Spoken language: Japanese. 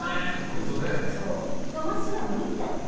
それは無理だと。